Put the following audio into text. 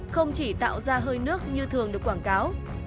không chỉ tạo ra hơi nước như thường được quảng cáo